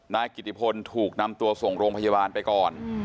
นายกิติพลถูกนำตัวส่งโรงพยาบาลไปก่อน